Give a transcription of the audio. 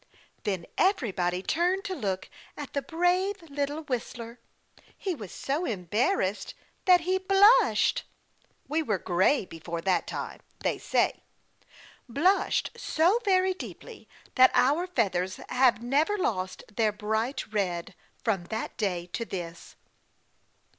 "Then everybody turned to look at the brave little whistler. He was so embarrassed that he BLUSHED we were gray before that time, they say blushed so very deeply that our feathers have never lost their bright red from that day to this."